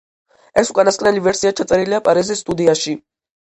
ეს უკანასკნელი ვერსია ჩაწერილია პარიზის სტუდიაში.